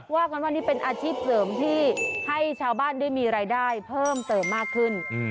ว่ากันว่านี่เป็นอาชีพเสริมที่ให้ชาวบ้านได้มีรายได้เพิ่มเติมมากขึ้น